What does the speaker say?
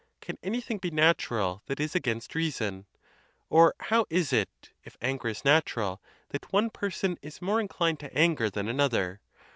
Can anything be natural that is against reason ? or how is it, if anger is natural, that one person is more inclined to anger than another